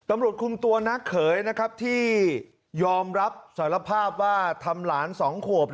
ตำรวจคุมตัวนักเขยที่ยอมรับสารภาพว่าทำหลาน๒ขวบ